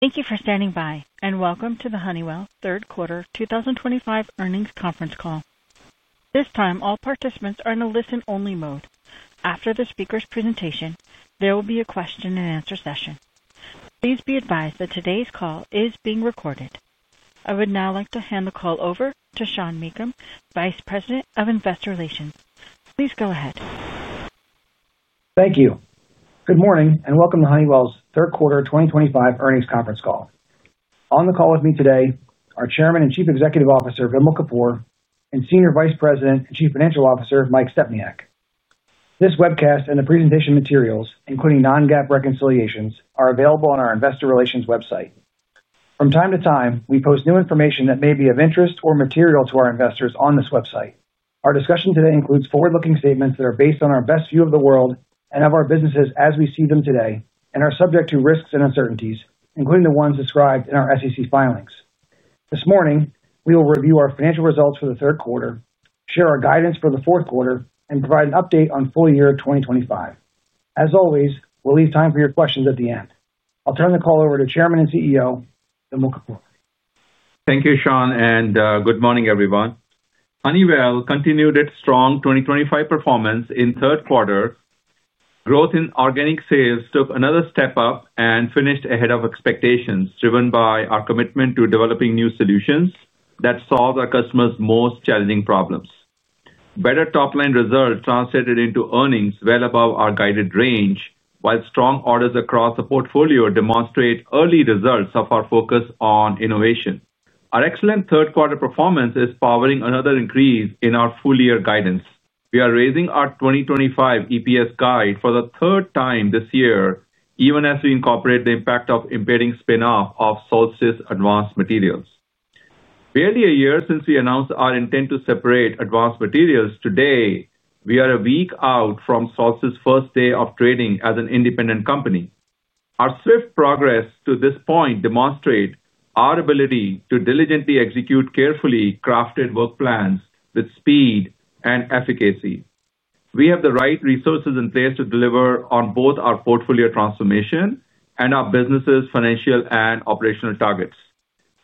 Thank you for standing by and welcome to the Honeywell Third Quarter 2025 Earnings Conference Call. At this time, all participants are in a listen-only mode. After the speaker's presentation, there will be a question and answer session. Please be advised that today's call is being recorded. I would now like to hand the call over to Sean Meakim, Vice President of Investor Relations. Please go ahead. Thank you. Good morning and welcome to Honeywell's Third Quarter 2025 Earnings Conference Call. On the call with me today are Chairman and Chief Executive Officer, Vimal Kapur and Senior Vice President and Chief Financial Officer, Mike Stepniak. This webcast and the presentation materials, including non-GAAP reconciliations, are available on our Investor Relations website. From time to time, we post new information that may be of interest or material to our investors on this website. Our discussion today includes forward-looking statements that are based on our best view of the world and of our businesses as we see them today and are subject to risks and uncertainties, including the ones described in our SEC filings. This morning, we will review our financial results for the third quarter, share our guidance for the fourth quarter, and provide an update on full year 2025. As always, we'll leave time for your questions at the end. I'll turn the call over to Chairman and CEO Vimal Kapur. Thank you, Sean, and good morning, everyone. Honeywell continued its strong 2025 performance in the third quarter. Growth in organic sales took another step up and finished ahead of expectations, driven by our commitment to developing new solutions that solve our customers' most challenging problems. Better top-line results translated into earnings well above our guided range, while strong orders across the portfolio demonstrate early results of our focus on innovation. Our excellent third-quarter performance is powering another increase in our full-year guidance. We are raising our 2025 EPS guide for the third time this year, even as we incorporate the impact of impending spin-off of Solstice Advanced Materials. Barely a year since we announced our intent to separate Advanced Materials, today we are a week out from Solstice' first day of trading as an independent company. Our swift progress to this point demonstrates our ability to diligently execute carefully crafted work plans with speed and efficacy. We have the right resources in place to deliver on both our portfolio transformation and our businesses' financial and operational targets.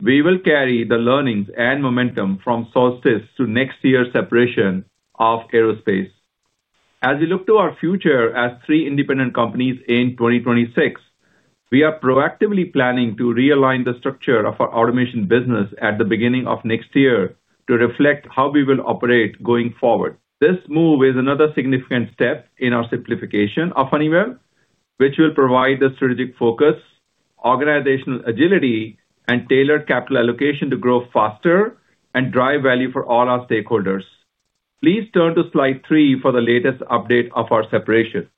We will carry the learnings and momentum from Solstice to next year's separation of Aerospace. As we look to our future as three independent companies in 2026, we are proactively planning to realign the structure of our automation business at the beginning of next year to reflect how we will operate going forward. This move is another significant step in our simplification of Honeywell, which will provide the strategic focus, organizational agility, and tailored capital allocation to grow faster and drive value for all our stakeholders. Please turn to slide three for the latest update of our separation.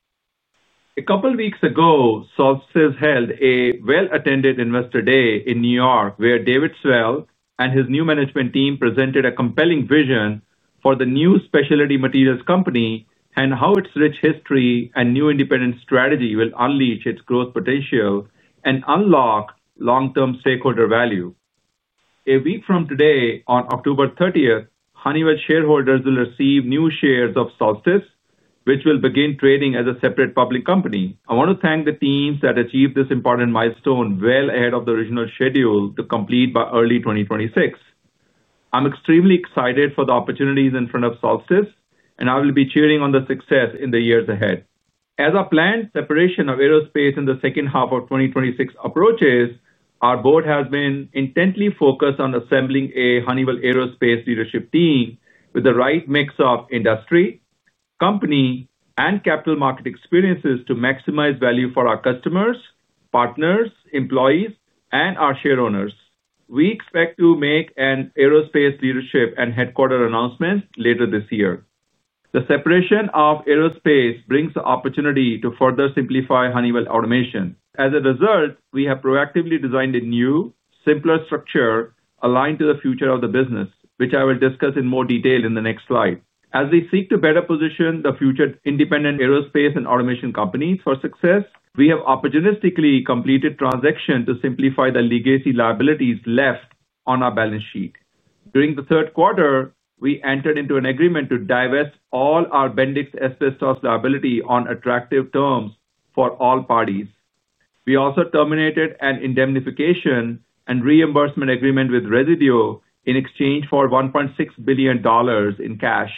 A couple of weeks ago, Solstice held a well-attended Investor Day in New York, where David Sewell and his new management team presented a compelling vision for the new specialty materials company and how its rich history and new independent strategy will unleash its growth potential and unlock long-term stakeholder value. A week from today, on October 30, Honeywell shareholders will receive new shares of Solstice, which will begin trading as a separate public company. I want to thank the teams that achieved this important milestone well ahead of the original schedule to complete by early 2026. I'm extremely excited for the opportunities in front of Solstice, and I will be cheering on the success in the years ahead. As our planned separation of Aerospace in the second half of 2026 approaches, our Board has been intently focused on assembling a Honeywell Aerospace leadership team with the right mix of industry, company, and capital market experiences to maximize value for our customers, partners, employees, and our shareholders. We expect to make an Aerospace leadership and headquarter announcement later this year. The separation of Aerospace brings the opportunity to further simplify Honeywell Automation. As a result, we have proactively designed a new, simpler structure aligned to the future of the business, which I will discuss in more detail in the next slide. As we seek to better position the future independent Aerospace and Automation companies for success, we have opportunistically completed transactions to simplify the legacy liabilities left on our balance sheet. During the third quarter, we entered into an agreement to divest all our Bendix asbestos liability on attractive terms for all parties. We also terminated an indemnification and reimbursement agreement with Resideo in exchange for $1.6 billion in cash.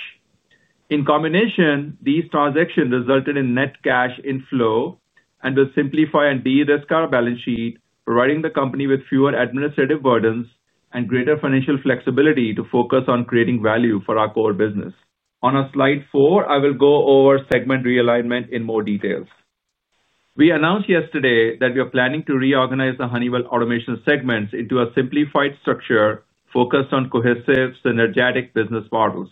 In combination, these transactions resulted in net cash inflow and will simplify and de-risk our balance sheet, providing the company with fewer administrative burdens and greater financial flexibility to focus on creating value for our core business. On our slide four, I will go over segment realignment in more detail. We announced yesterday that we are planning to reorganize the Honeywell Automation segments into a simplified structure focused on cohesive, synergetic business models.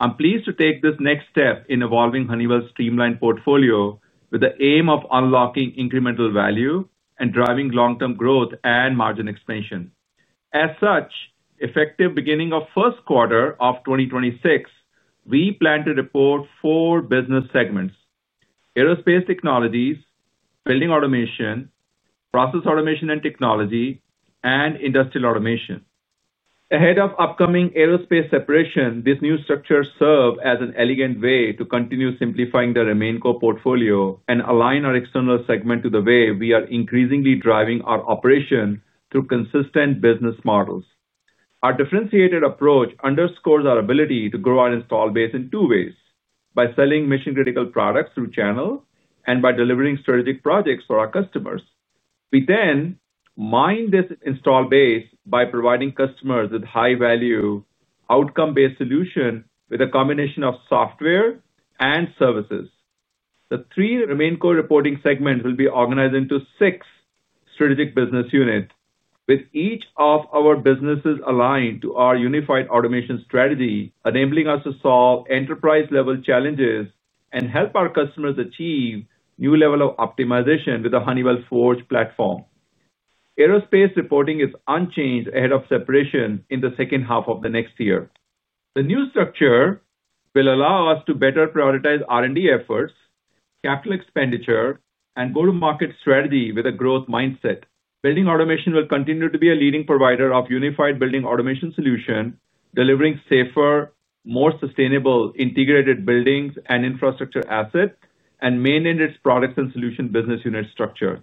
I'm pleased to take this next step in evolving Honeywell's streamlined portfolio with the aim of unlocking incremental value and driving long-term growth and margin expansion. As such, effective beginning of the first quarter of 2026, we plan to report four business segments: Aerospace Technologies, Building Automation, Process Automation and Technology, and Industrial Automation. Ahead of upcoming Aerospace separation, this new structure serves as an elegant way to continue simplifying the remaining core portfolio and align our external segment to the way we are increasingly driving our operation through consistent business models. Our differentiated approach underscores our ability to grow our install base in two ways: by selling mission-critical products through channels and by delivering strategic projects for our customers. We then mine this install base by providing customers with high-value, outcome-based solutions with a combination of software and services. The three remaining core reporting segments will be organized into six strategic business units, with each of our businesses aligned to our unified automation strategy, enabling us to solve enterprise-level challenges and help our customers achieve new levels of optimization with the Honeywell Forge platform. Aerospace reporting is unchanged ahead of separation in the second half of next year. The new structure will allow us to better prioritize R&D efforts, capital expenditure, and go-to-market strategy with a growth mindset. Building Automation will continue to be a leading provider of unified building automation solutions, delivering safer, more sustainable integrated buildings and infrastructure assets, and maintaining its products and solutions business unit structure.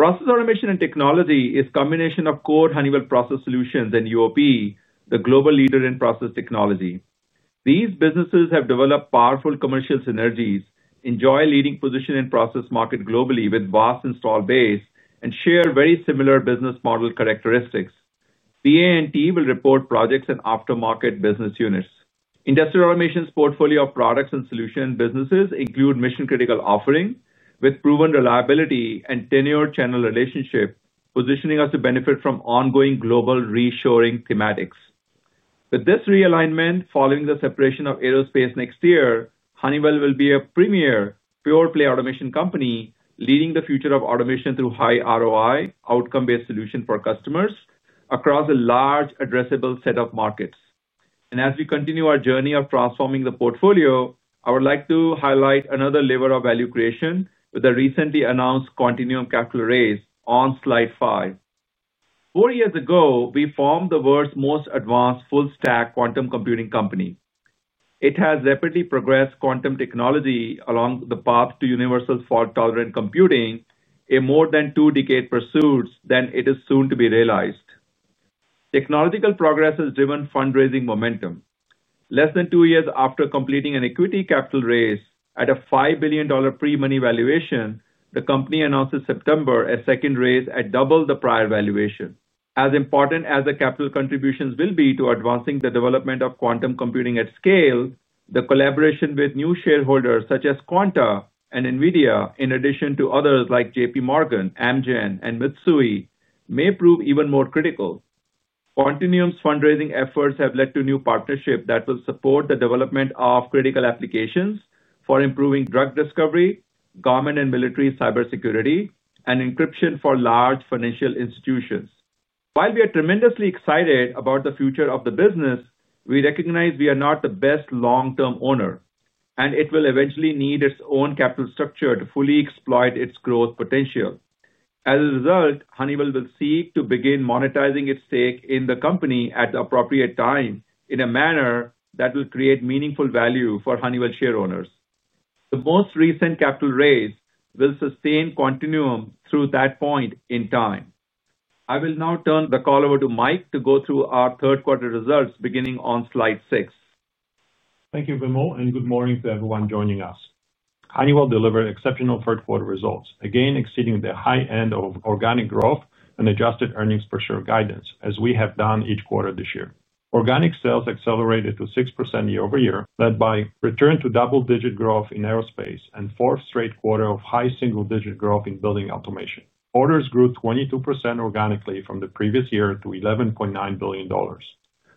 Process Automation and Technology is a combination of core Honeywell Process Solutions and UOP, the global leader in process technology. These businesses have developed powerful commercial synergies, enjoy a leading position in the process market globally with a vast install base, and share very similar business model characteristics. BNT will report projects and aftermarket business units. Industrial Automation's portfolio of products and solutions businesses includes mission-critical offerings with proven reliability and tenured channel relationships, positioning us to benefit from ongoing global reshoring thematics. With this realignment, following the separation of Aerospace next year, Honeywell will be a premier pure-play automation company, leading the future of automation through high ROI, outcome-based solutions for customers across a large addressable set of markets. As we continue our journey of transforming the portfolio, I would like to highlight another level of value creation with the recently announced Quantinuum capital raise on slide five. Four years ago, we formed the world's most advanced full-stack quantum computing company. It has rapidly progressed quantum technology along the path to universal fault-tolerant computing, a more than two-decade pursuit that is soon to be realized. Technological progress has driven fundraising momentum. Less than two years after completing an equity capital raise at a $5 billion pre-money valuation, the company announced in September a second raise at double the prior valuation. As important as the capital contributions will be to advancing the development of quantum computing at scale, the collaboration with new shareholders such as Quantinuum and Nvidia, in addition to others like JPMorgan, Amgen, and Mitsui, may prove even more critical. Quantinuum's fundraising efforts have led to new partnerships that will support the development of critical applications for improving drug discovery, government and military Cyber Security, and encryption for large financial institutions. While we are tremendously excited about the future of the business, we recognize we are not the best long-term owner, and it will eventually need its own capital structure to fully exploit its growth potential. As a result, Honeywell will seek to begin monetizing its stake in the company at the appropriate time in a manner that will create meaningful value for Honeywell shareholders. The most recent capital raise will sustain Quantinuum through that point in time. I will now turn the call over to Mike to go through our third-quarter results beginning on slide six. Thank you, Vimal, and good morning to everyone joining us. Honeywell delivered exceptional third-quarter results, again exceeding the high end of organic growth and adjusted earnings per share guidance, as we have done each quarter this year. Organic sales accelerated to 6% year-over-year, led by return to double-digit growth in Aerospace and fourth straight quarter of high single-digit growth in building automation. Orders grew 22% organically from the previous year to $11.9 billion.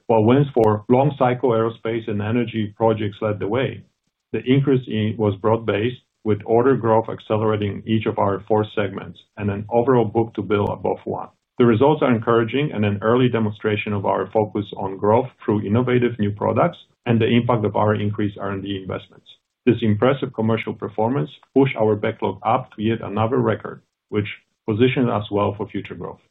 While wins for long-cycle Aerospace and energy projects led the way, the increase was broad-based, with order growth accelerating in each of our four segments and an overall book-to-bill above one. The results are encouraging and an early demonstration of our focus on growth through innovative new products and the impact of our increased R&D investments. This impressive commercial performance pushed our backlog up to yet another record, which positions us well for future growth.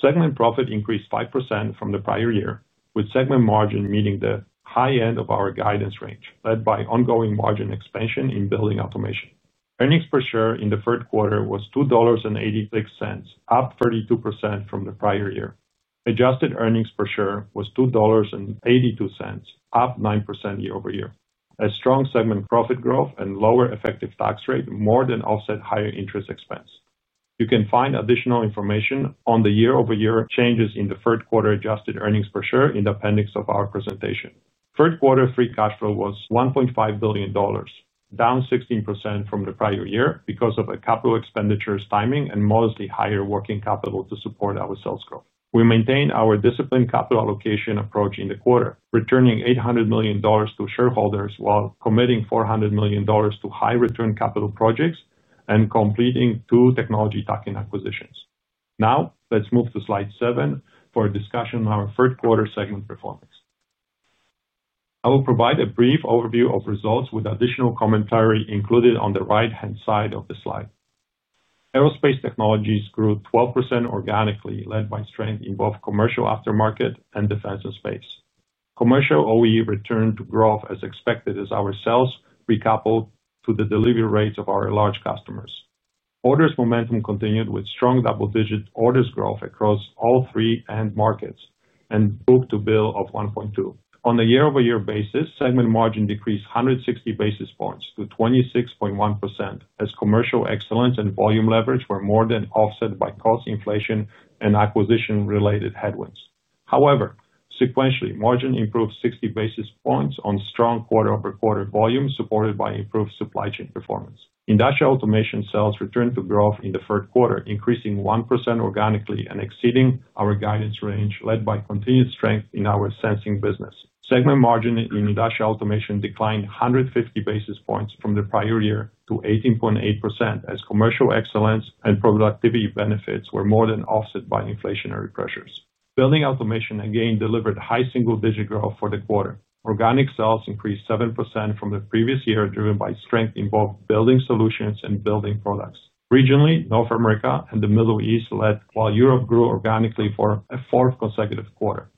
Segment profit increased 5% from the prior year, with segment margin meeting the high end of our guidance range, led by ongoing margin expansion in building automation. Earnings per share in the third quarter were $2.86, up 32% from the prior year. Adjusted earnings per share was $2.82, up 9% year-over-year, as strong segment profit growth and lower effective tax rate more than offset higher interest expense. You can find additional information on the year-over-year changes in the third quarter adjusted earnings per share in the appendix of our presentation. Third quarter free cash flow was $1.5 billion, down 16% from the prior year because of capital expenditures timing and modestly higher working capital to support our sales growth. We maintained our disciplined capital allocation approach in the quarter, returning $800 million to shareholders while committing $400 million to high-return capital projects and completing two technology bolt-on acquisitions. Now, let's move to slide seven for a discussion on our third-quarter segment performance. I will provide a brief overview of results with additional commentary included on the right-hand side of the slide. Aerospace technologies grew 12% organically, led by strength in both commercial aftermarket and defense and space. Commercial OE returned to growth as expected, as our sales recoupled to the delivery rates of our large customers. Orders momentum continued with strong double-digit orders growth across all three end markets and a book-to-bill of 1.2. On a year-over-year basis, segment margin decreased 160 basis points to 26.1%, as commercial excellence and volume leverage were more than offset by cost inflation and acquisition-related headwinds. However, sequentially, margin improved 60 basis points on strong quarter-over-quarter volume, supported by improved supply chain performance. Industrial Automation sales returned to growth in the third quarter, increasing 1% organically and exceeding our guidance range, led by continued strength in our sensing business. Segment margin in Industrial Automation declined 150 basis points from the prior year to 18.8%, as commercial excellence and productivity benefits were more than offset by inflationary pressures. Building automation again delivered high single-digit growth for the quarter. Organic sales increased 7% from the previous year, driven by strength in both building solutions and building products. Regionally, North America and the Middle East led, while Europe grew organically for a fourth consecutive quarter.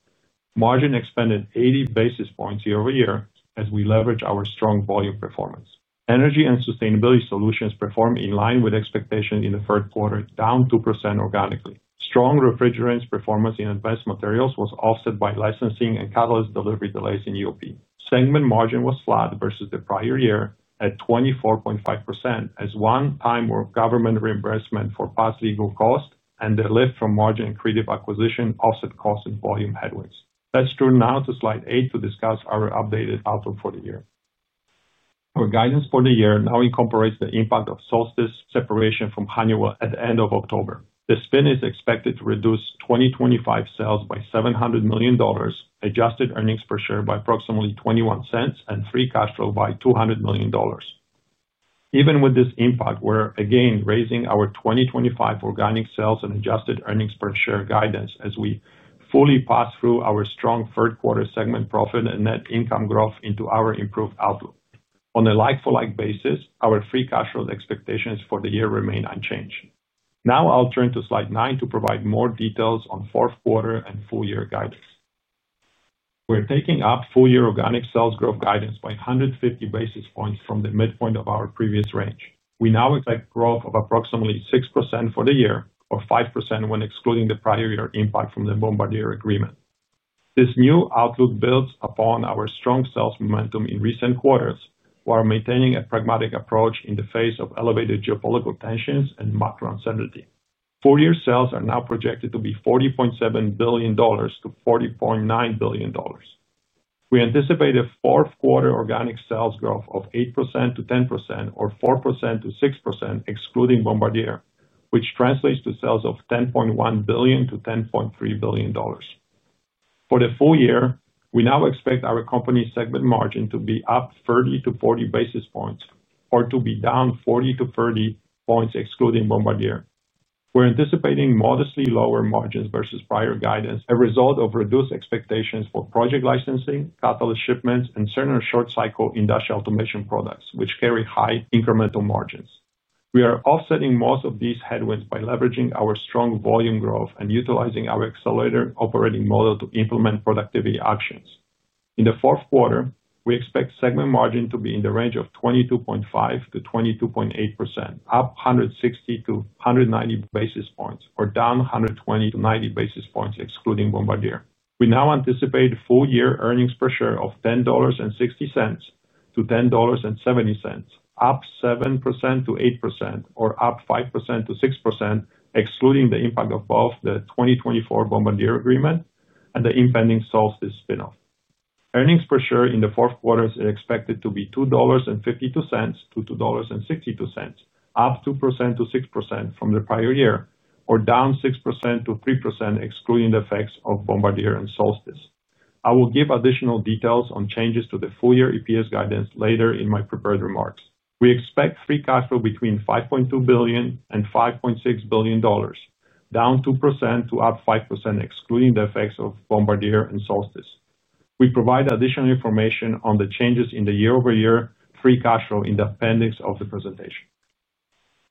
Margin expanded 80 basis points year-over-year, as we leverage our strong volume performance. Energy and sustainability solutions performed in line with expectations in the third quarter, down 2% organically. Strong refrigerants' performance in advanced materials was offset by licensing and catalyst delivery delays in UOP. Segment margin was flat versus the prior year at 24.5%, as one time of government reimbursement for past legal costs and the lift from margin and creative acquisition offset cost and volume headwinds. Let's turn now to slide eight to discuss our updated outlook for the year. Our guidance for the year now incorporates the impact of Solstice Advanced Materials' separation from Honeywell at the end of October. The spin is expected to reduce 2025 sales by $700 million, adjusted EPS by approximately $0.21, and free cash flow by $200 million. Even with this impact, we're again raising our 2025 organic sales and adjusted EPS guidance as we fully pass through our strong third-quarter segment profit and net income growth into our improved outlook. On a like-for-like basis, our free cash flow expectations for the year remain unchanged. Now I'll turn to slide nine to provide more details on fourth quarter and full-year guidance. We're taking up full-year organic sales growth guidance by 150 basis points from the midpoint of our previous range. We now expect growth of approximately 6% for the year, or 5% when excluding the prior year impact from the Bombardier agreement. This new outlook builds upon our strong sales momentum in recent quarters while maintaining a pragmatic approach in the face of elevated geopolitical tensions and macro uncertainty. Full-year sales are now projected to be $40.7 billion to $40.9 billion. We anticipate a fourth quarter organic sales growth of 8% to 10%, or 4% to 6% excluding Bombardier, which translates to sales of $10.1 billion to $10.3 billion. For the full year, we now expect our company's segment margin to be up 30 to 40 basis points or to be down 40 to 30 basis points excluding Bombardier. We're anticipating modestly lower margins versus prior guidance, a result of reduced expectations for project licensing, catalyst shipments, and certain short-cycle Industrial Automation products, which carry high incremental margins. We are offsetting most of these headwinds by leveraging our strong volume growth and utilizing our accelerated operating model to implement productivity actions. In the fourth quarter, we expect segment margin to be in the range of 22.5% to 22.8%, up 160 to 190 basis points, or down 120 to 90 basis points excluding Bombardier. We now anticipate full-year earnings per share of $10.60 to $10.70, up 7% to 8%, or up 5% to 6% excluding the impact of both the 2024 Bombardier agreement and the impending Solstice spin-off. Earnings per share in the fourth quarter are expected to be $2.52 to $2.62, up 2% to 6% from the prior year, or down 6% to 3% excluding the effects of Bombardier and Solstice. I will give additional details on changes to the full-year EPS guidance later in my prepared remarks. We expect free cash flow between $5.2 billion and $5.6 billion, down 2% to up 5% excluding the effects of Bombardier and Solstice. We provide additional information on the changes in the year-over-year free cash flow in the appendix of the presentation.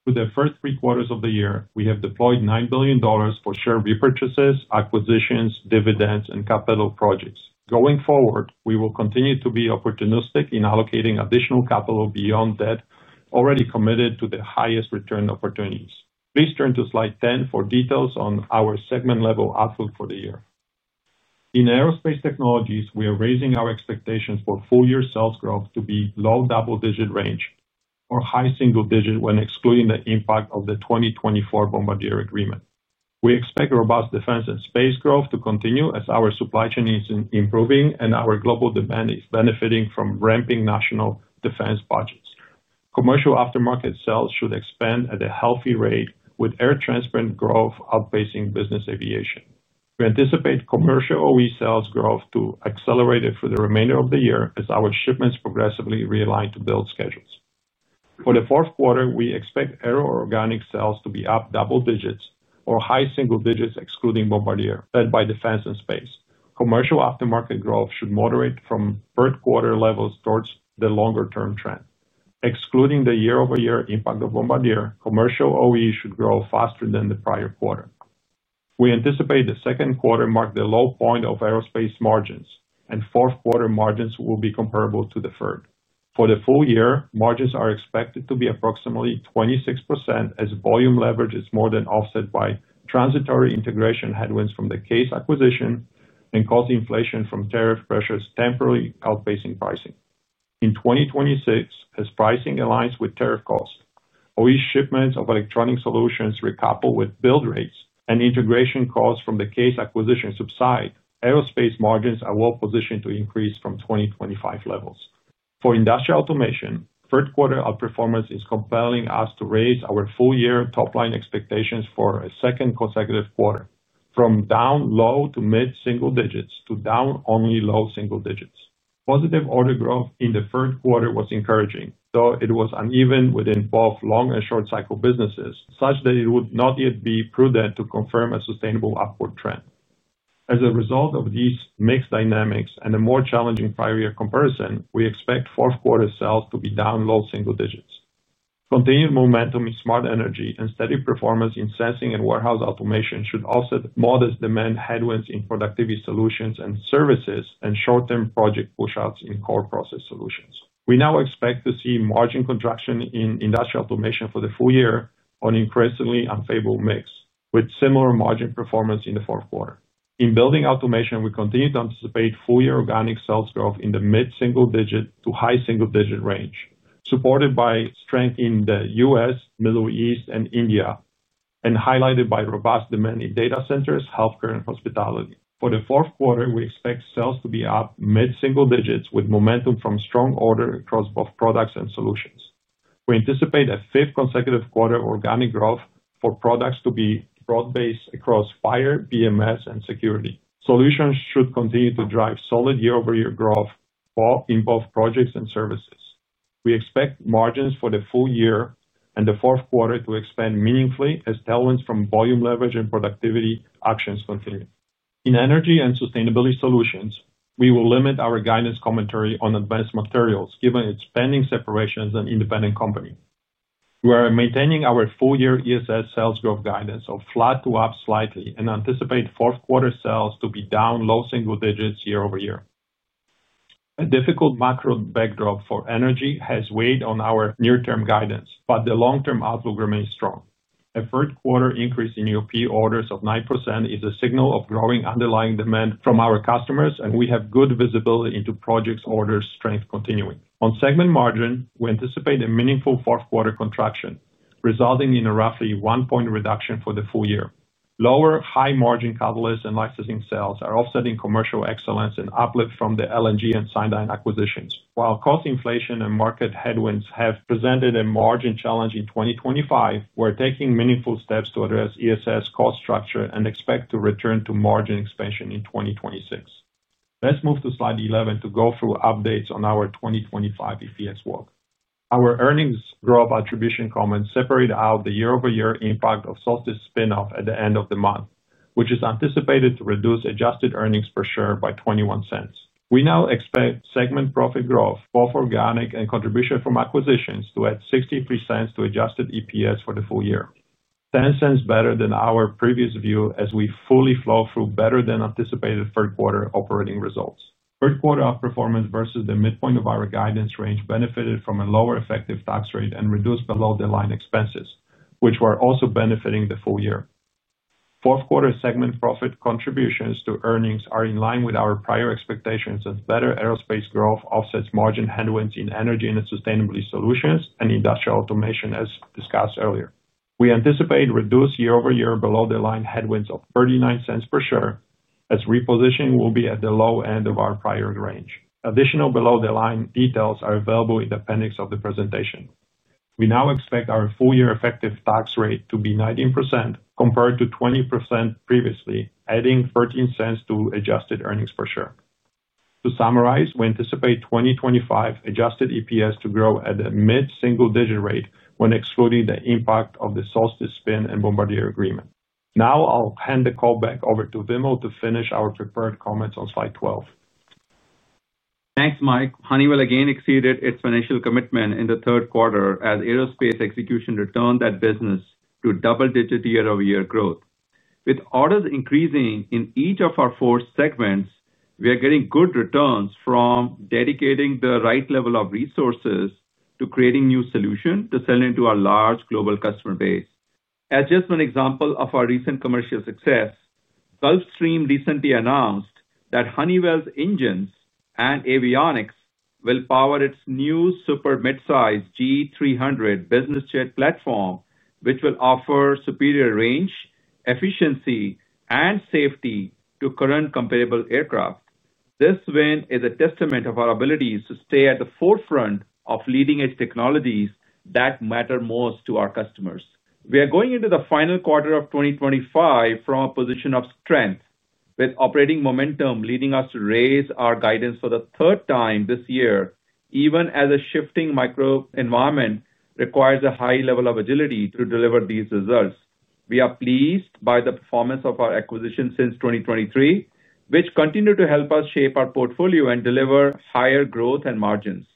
For the first three quarters of the year, we have deployed $9 billion for share repurchases, acquisitions, dividends, and capital projects. Going forward, we will continue to be opportunistic in allocating additional capital beyond debt already committed to the highest return opportunities. Please turn to slide 10 for details on our segment-level outlook for the year. In Aerospace technologies, we are raising our expectations for full-year sales growth to be below double-digit range or high single digit when excluding the impact of the 2024 Bombardier agreement. We expect robust defense and space growth to continue as our supply chain is improving and our global demand is benefiting from ramping national defense budgets. Commercial aftermarket sales should expand at a healthy rate with air transport growth outpacing business aviation. We anticipate commercial OE sales growth to accelerate for the remainder of the year as our shipments progressively realign to build schedules. For the fourth quarter, we expect aero-organic sales to be up double digits or high single digits excluding Bombardier, led by defense and space. Commercial aftermarket growth should moderate from third quarter levels towards the longer-term trend. Excluding the year-over-year impact of Bombardier, commercial OE should grow faster than the prior quarter. We anticipate the second quarter marked the low point of Aerospace margins, and fourth quarter margins will be comparable to the third. For the full year, margins are expected to be approximately 26% as volume leverage is more than offset by transitory integration headwinds from the CAES acquisition and cost inflation from tariff pressures temporarily outpacing pricing. In 2026, as pricing aligns with tariff costs, OE shipments of electronic solutions recouple with build rates and integration costs from the CAES acquisition subside, Aerospace margins are well-positioned to increase from 2025 levels. For Industrial Automation, third-quarter outperformance is compelling us to raise our full-year top-line expectations for a second consecutive quarter from down low to mid-single digits to down only low single digits. Positive order growth in the third quarter was encouraging, though it was uneven within both long and short-cycle businesses, such that it would not yet be prudent to confirm a sustainable upward trend. As a result of these mixed dynamics and a more challenging prior year comparison, we expect fourth quarter sales to be down low single digits. Continued momentum in Smart Energy and steady performance in Sensing and Warehouse Automation should offset modest demand headwinds in productivity solutions and services and short-term project push-outs in core process solutions. We now expect to see margin contraction in Industrial Automation for the full year on an increasingly unfavorable mix, with similar margin performance in the fourth quarter. In building automation, we continue to anticipate full-year organic sales growth in the mid-single digit to high single digit range, supported by strength in the U.S., Middle East, and India, and highlighted by robust demand in data centers, healthcare, and hospitality. For the fourth quarter, we expect sales to be up mid-single digits with momentum from strong orders across both products and solutions. We anticipate a fifth consecutive quarter of organic growth for products to be broad-based across fire, BMS, and security. Solutions should continue to drive solid year-over-year growth in both projects and services. We expect margins for the full year and the fourth quarter to expand meaningfully as tailwinds from volume leverage and productivity actions continue. In energy and sustainability solutions, we will limit our guidance commentary on advanced materials given its pending separation as an independent company. We are maintaining our full-year ESS sales growth guidance of flat to up slightly and anticipate fourth quarter sales to be down low single digits year-over-year. A difficult macro backdrop for energy has weighed on our near-term guidance, but the long-term outlook remains strong. A third quarter increase in UOP orders of 9% is a signal of growing underlying demand from our customers, and we have good visibility into projects orders strength continuing. On segment margin, we anticipate a meaningful fourth quarter contraction resulting in a roughly one-point reduction for the full year. Lower high margin catalysts and licensing sales are offsetting commercial excellence and uplift from the LNG and Sundyne acquisitions. While cost inflation and market headwinds have presented a margin challenge in 2025, we're taking meaningful steps to address ESS cost structure and expect to return to margin expansion in 2026. Let's move to slide 11 to go through updates on our 2025 EPS work. Our earnings growth attribution comments separate out the year-over-year impact of Solstice spin-off at the end of the month, which is anticipated to reduce adjusted earnings per share by $0.21. We now expect segment profit growth, both organic and contribution from acquisitions, to add $0.63 to adjusted EPS for the full year, $0.10 better than our previous view as we fully flow through better-than-anticipated third quarter operating results. Third quarter outperformance versus the midpoint of our guidance range benefited from a lower effective tax rate and reduced below-the-line expenses, which were also benefiting the full year. Fourth quarter segment profit contributions to earnings are in line with our prior expectations as better Aerospace growth offsets margin headwinds in energy and sustainability solutions and Industrial Automation, as discussed earlier. We anticipate reduced year-over-year below-the-line headwinds of $0.39 per share as repositioning will be at the low end of our prior range. Additional below-the-line details are available in the appendix of the presentation. We now expect our full-year effective tax rate to be 19% compared to 20% previously, adding $0.13 to adjusted earnings per share. To summarize, we anticipate 2025 adjusted EPS to grow at a mid-single-digit rate when excluding the impact of the Solstice spin and Bombardier agreement. Now I'll hand the call back over to Vimal to finish our prepared comments on slide 12. Thanks, Mike. Honeywell again exceeded its financial commitment in the third quarter as Aerospace execution returned that business to double-digit year-over-year growth. With orders increasing in each of our four segments, we are getting good returns from dedicating the right level of resources to creating new solutions to sell into our large global customer base. As just one example of our recent commercial success, Gulfstream recently announced that Honeywell's engines and avionics will power its new super mid-size G300 business jet platform, which will offer superior range, efficiency, and safety to current comparable aircraft. This win is a testament to our abilities to stay at the forefront of leading-edge technologies that matter most to our customers. We are going into the final quarter of 2025 from a position of strength, with operating momentum leading us to raise our guidance for the third time this year, even as a shifting microenvironment requires a high level of agility to deliver these results. We are pleased by the performance of our acquisitions since 2023, which continue to help us shape our portfolio and deliver higher growth and margins.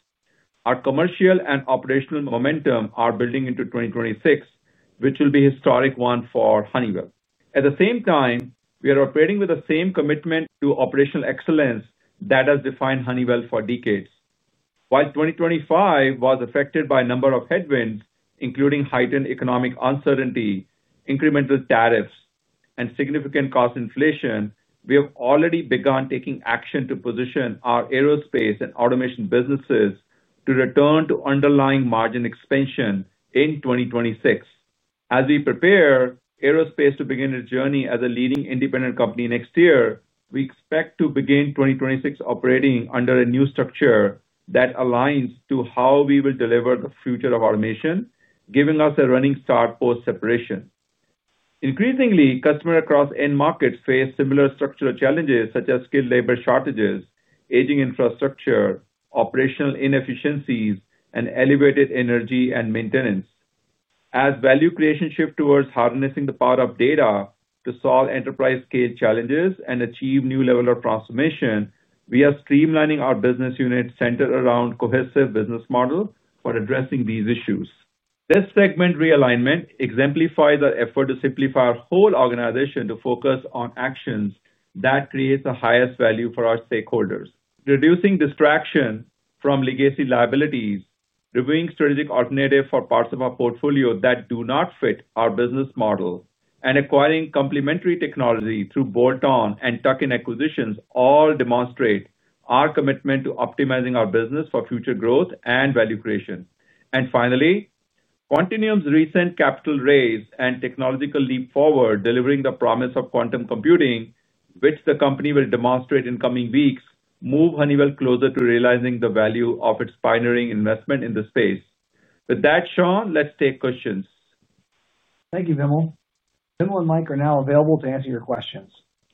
Our commercial and operational momentum are building into 2026, which will be a historic one for Honeywell. At the same time, we are operating with the same commitment to operational excellence that has defined Honeywell for decades. While 2025 was affected by a number of headwinds, including heightened economic uncertainty, incremental tariffs, and significant cost inflation, we have already begun taking action to position our Aerospace and automation businesses to return to underlying margin expansion in 2026. As we prepare Aerospace to begin its journey as a leading independent company next year, we expect to begin 2026 operating under a new structure that aligns to how we will deliver the future of automation, giving us a running start post-separation. Increasingly, customers across end markets face similar structural challenges such as skilled labor shortages, aging infrastructure, operational inefficiencies, and elevated energy and maintenance. As value creation shifts towards harnessing the power of data to solve enterprise-scale challenges and achieve new levels of transformation, we are streamlining our business units centered around a cohesive business model for addressing these issues. This segment realignment exemplifies our effort to simplify our whole organization to focus on actions that create the highest value for our stakeholders. Reducing distraction from legacy liabilities, reviewing strategic alternatives for parts of our portfolio that do not fit our business model, and acquiring complementary technology through bolt-on and tuck-in acquisitions all demonstrate our commitment to optimizing our business for future growth and value creation. Quantinuum's recent capital raise and technological leap forward, delivering the promise of quantum computing, which the company will demonstrate in coming weeks, move Honeywell closer to realizing the value of its pioneering investment in the space. With that, Sean, let's take questions. Thank you, Vimal. Vimal and Mike are now available to answer your questions.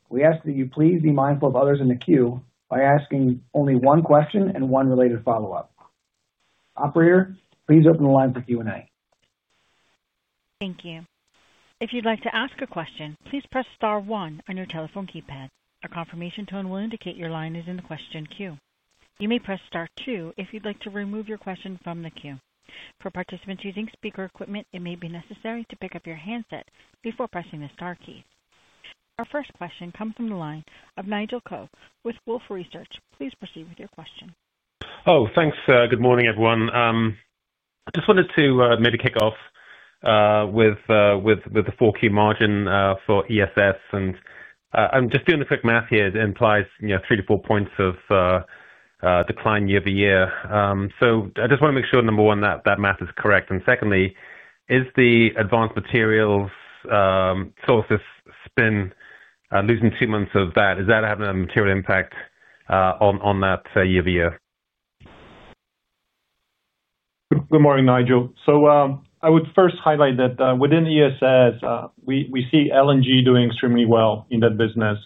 We ask that you please be mindful of others in the queue by asking only one question and one related follow-up. Operator, please open the line for Q&A. Thank you. If you'd like to ask a question, please press star one on your telephone keypad. A confirmation tone will indicate your line is in the question queue. You may press star two if you'd like to remove your question from the queue. For participants using speaker equipment, it may be necessary to pick up your handset before pressing the star key. Our first question comes from the line of Nigel Coe with Wolfe Research. Please proceed with your question. Thanks. Good morning, everyone. I just wanted to maybe kick off with the fourth quarter margin for ESS. I'm just doing the quick math here. It implies 3%-4% of decline year-over-year. I just want to make sure, number one, that that math is correct. Secondly, is the advanced materials Solstice spin losing two months of that, is that having a material impact on that year-over-year? Good morning, Nigel. I would first highlight that within ESS, we see LNG doing extremely well in that business.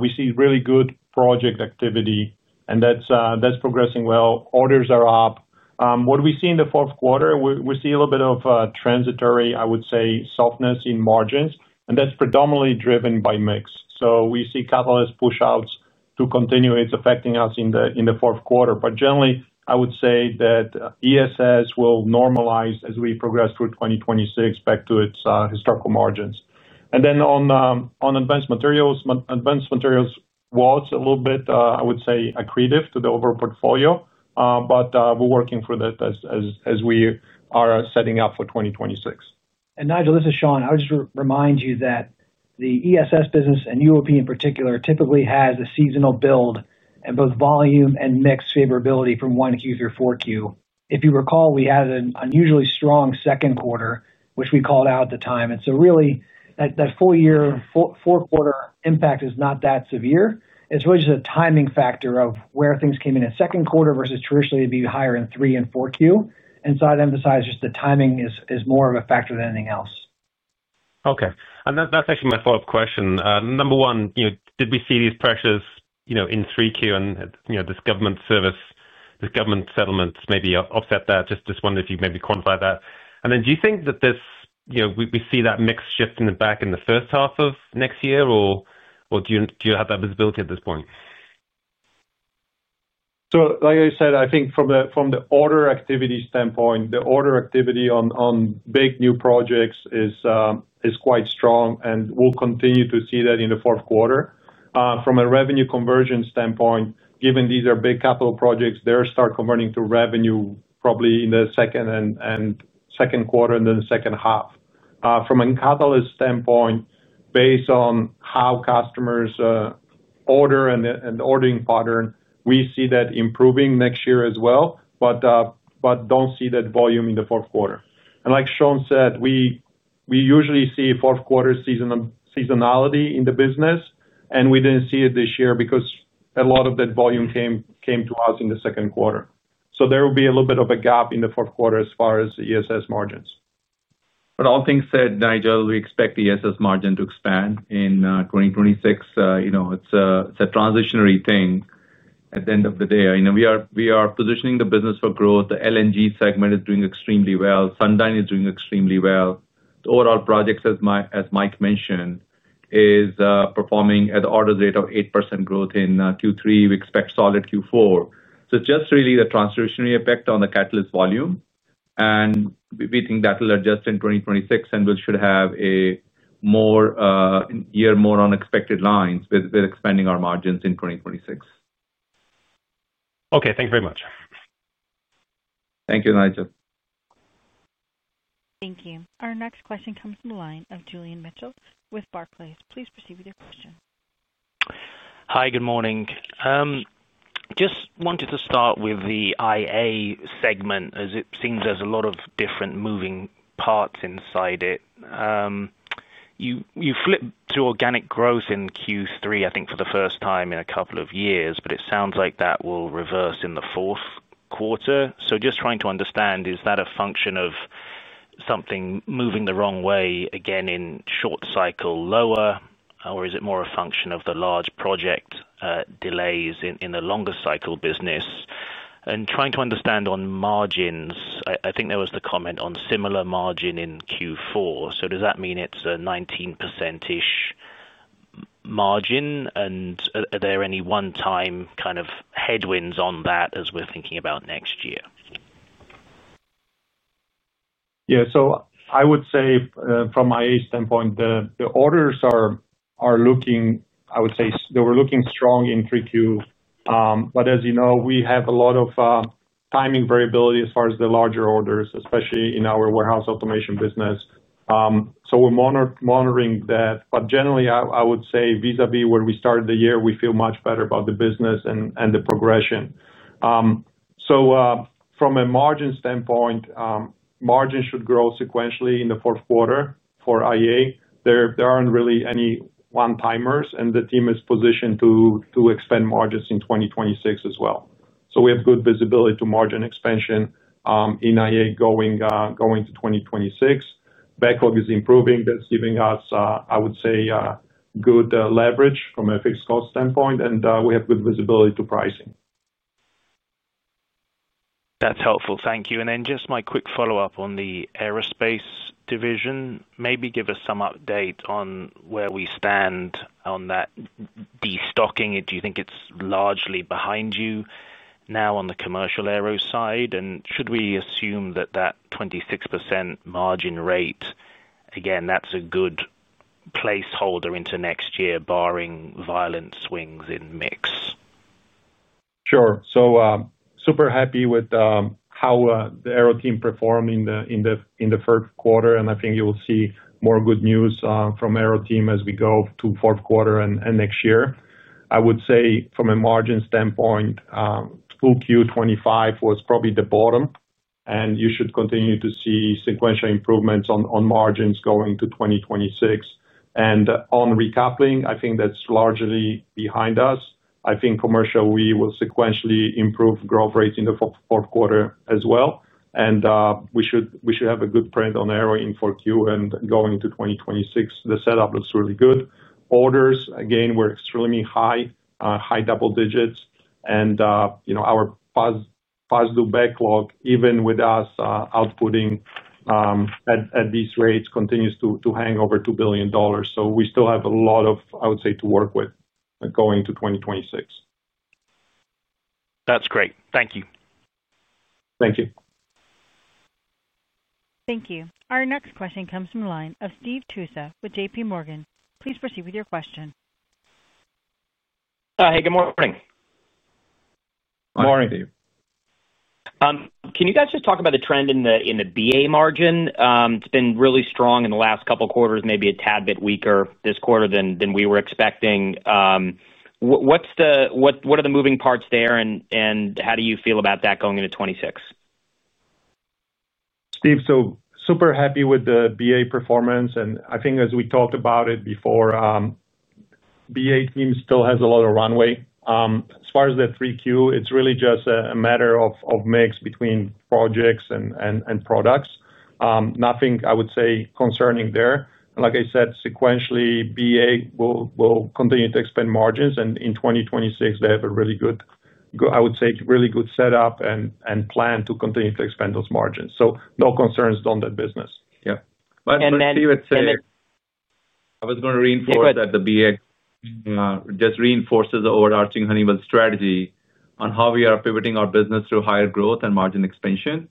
We see really good project activity, and that's progressing well. Orders are up. In the fourth quarter, we see a little bit of transitory, I would say, softness in margins, and that's predominantly driven by mix. We see catalyst push-outs to continue affecting us in the fourth quarter. Generally, I would say that ESS will normalize as we progress through 2026 back to its historical margins. On advanced materials, advanced materials was a little bit, I would say, accretive to the overall portfolio, but we're working for that as we are setting up for 2026. Nigel, this is Sean. I would just remind you that the ESS business and UOP in particular typically has a seasonal build, and both volume and mix favorability from one Q through four Q. If you recall, we had an unusually strong second quarter, which we called out at the time. That full year, four-quarter impact is not that severe. It's really just a timing factor of where things came in in the second quarter versus traditionally to be higher in three and 4Q. I'd emphasize just the timing is more of a factor than anything else. Okay. That's actually my follow-up question. Number one, did we see these pressures in 3Q and this government service, this government settlements maybe offset that? Just wonder if you maybe quantify that. Do you think that we see that mix shifting back in the first half of next year, or do you have that visibility at this point? Like I said, I think from the order activity standpoint, the order activity on big new projects is quite strong and we'll continue to see that in the fourth quarter. From a revenue conversion standpoint, given these are big capital projects, they'll start converting to revenue probably in the second quarter and then the second half. From a catalyst standpoint, based on how customers order and the ordering pattern, we see that improving next year as well, but don't see that volume in the fourth quarter. Like Sean said, we usually see fourth quarter seasonality in the business, and we didn't see it this year because a lot of that volume came to us in the second quarter. There will be a little bit of a gap in the fourth quarter as far as the ESS margins. All things said, Nigel, we expect the ESS margin to expand in 2026. It's a transitionary thing at the end of the day. We are positioning the business for growth. The LNG segment is doing extremely well. Sundyne is doing extremely well. The overall projects, as Mike mentioned, is performing at an order rate of 8% growth in Q3. We expect solid Q4. It's just really the transitionary effect on the catalyst volume, and we think that'll adjust in 2026 and we should have a year more on expected lines with expanding our margins in 2026. Okay, thanks very much. Thank you, Nigel. Thank you. Our next question comes from the line of Julian Mitchell with Barclays. Please proceed with your question. Hi, good morning. Just wanted to start with the IA segment as it seems there's a lot of different moving parts inside it. You flipped through organic growth in Q3, I think, for the first time in a couple of years, but it sounds like that will reverse in the fourth quarter. Just trying to understand, is that a function of something moving the wrong way again in short cycle lower, or is it more a function of the large project delays in the longer cycle business? Trying to understand on margins, I think there was the comment on similar margin in Q4. Does that mean it's a 19%-ish margin? Are there any one-time kind of headwinds on that as we're thinking about next year? Yeah. I would say from my standpoint, the orders are looking, I would say they were looking strong in 3Q. As you know, we have a lot of timing variability as far as the larger orders, especially in our warehouse automation business. We're monitoring that. Generally, I would say vis-à-vis where we started the year, we feel much better about the business and the progression. From a margin standpoint, margin should grow sequentially in the fourth quarter for IA. There aren't really any one-timers, and the team is positioned to expand margins in 2026 as well. We have good visibility to margin expansion in IA going to 2026. Backlog is improving. That's giving us, I would say, good leverage from a fixed cost standpoint, and we have good visibility to pricing. That's helpful. Thank you. Just my quick follow-up on the Aerospace division. Maybe give us some update on where we stand on that destocking. Do you think it's largely behind you now on the commercial aero side? Should we assume that that 26% margin rate, again, that's a good placeholder into next year, barring violent swings in mix? Sure. Super happy with how the aero team performed in the third quarter, and I think you will see more good news from the aero team as we go to the fourth quarter and next year. I would say from a margin standpoint, full Q2 2025 was probably the bottom, and you should continue to see sequential improvements on margins going to 2026. On recoupling, I think that's largely behind us. I think commercial OE will sequentially improve growth rates in the fourth quarter as well. We should have a good print on aero in Q4 and going to 2026. The setup looks really good. Orders, again, were extremely high, high double digits, and our past due backlog, even with us outputting at these rates, continues to hang over $2 billion. We still have a lot of, I would say, to work with going to 2026. That's great. Thank you. Thank you. Thank you. Our next question comes from the line of Steve Tusa with JPMorgan. Please proceed with your question. Hey, good morning. Morning, Steve. Can you guys just talk about the trend in the BA margin? It's been really strong in the last couple of quarters, maybe a tad bit weaker this quarter than we were expecting. What are the moving parts there, and how do you feel about that going into 2026? Steve, super happy with the BA performance. I think as we talked about it before, BA team still has a lot of runway. As far as the 3Q, it's really just a matter of mix between projects and products. Nothing I would say concerning there. Like I said, sequentially, BA will continue to expand margins, and in 2026, they have a really good, I would say, really good setup and plan to continue to expand those margins. No concerns on that business. Yeah. Steve, I was going to reinforce that the BA just reinforces the overarching Honeywell strategy on how we are pivoting our business through higher growth and margin expansion.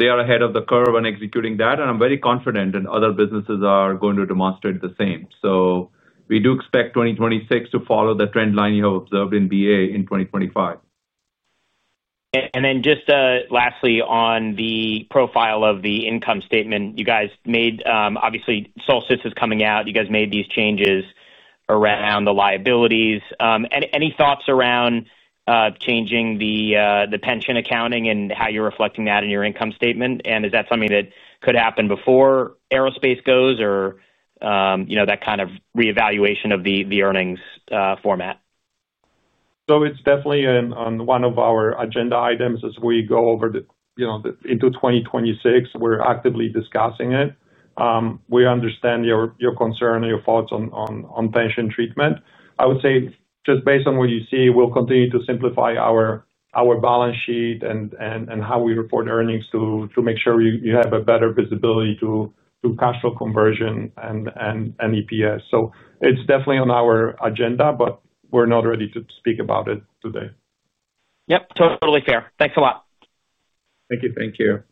They are ahead of the curve on executing that, and I'm very confident that other businesses are going to demonstrate the same. We do expect 2026 to follow the trend line you have observed in BA in 2025. Lastly, on the profile of the income statement, you guys made, obviously, Solstice is coming out. You guys made these changes around the liabilities. Any thoughts around changing the pension accounting and how you're reflecting that in your income statement? Is that something that could happen before Aerospace goes or that kind of reevaluation of the earnings format? It is definitely on one of our agenda items as we go over into 2026. We're actively discussing it. We understand your concern and your thoughts on pension treatment. I would say just based on what you see, we'll continue to simplify our balance sheet and how we report earnings to make sure you have better visibility to cash flow conversion and EPS. It is definitely on our agenda, but we're not ready to speak about it today. Yep, totally fair. Thanks a lot. Thank you. Thank you.